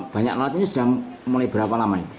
banyak lalat ini sudah mulai berapa lama